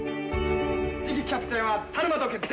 次期キャプテンは田沼と決定。